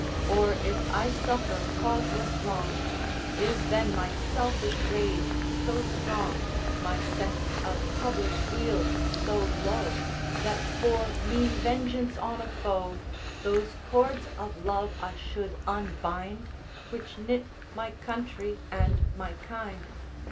Or if I suffer causeless wrong, Is then my selfish rage so strong, My sense of public weal so low, That, for mean vengeance on a foe, Those cords of love I should unbind Which knit my country and my kind?